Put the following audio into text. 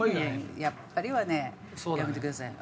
「やっぱり」はねやめてください。